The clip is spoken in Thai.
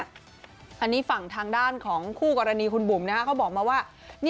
อันนี้ฝั่งทางด้านของคู่กรณีคุณบุ๋มเขาบอกมาว่า